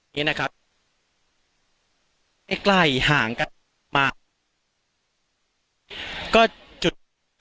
นี่นะครับใกล้ใกล้ห่างกันมากก็จุด